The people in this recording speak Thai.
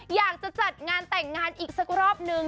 อยากจะจัดงานแต่งงานอีกสักรอบนึง